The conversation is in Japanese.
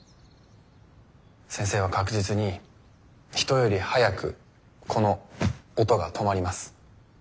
先生は確実に人より早くこの音が止まります。